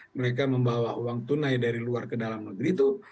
mereka membawa uang tunai dari luar ke dalam negeri itu